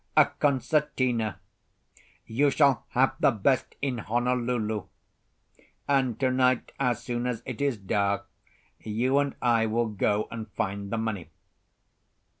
A concertina? You shall have the best in Honolulu. And to night, as soon as it is dark, you and I will go and find the money."